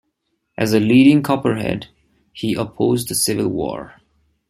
As a leading Copperhead he opposed the Civil War.